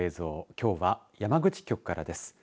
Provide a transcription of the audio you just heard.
きょうは山口局からです。